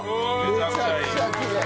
めちゃくちゃきれい。